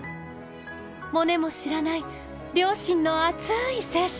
モネも知らない両親の熱い青春！